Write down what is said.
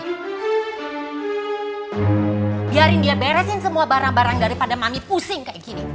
biarin dia beresin semua barang barang daripada mami pusing kayak gini